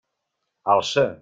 Alça!